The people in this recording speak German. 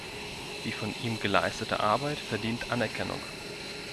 Die von ihm geleistete Arbeit verdient Anerkennung.